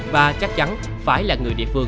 và chắc chắn phải là người địa phương